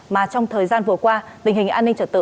mà trong thời gian vừa qua tình hình an ninh trật tự